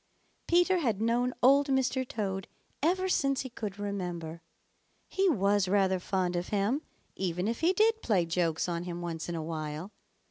Peter had known Old Mr. Toad ever since he could remember. He was rather fond of him, even if he did play jokes on him once in a while.